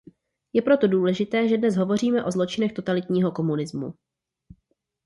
Je proto důležité, že dnes hovoříme o zločinech totalitního komunismu.